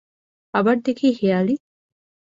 আবার দেখি হেঁয়ালি।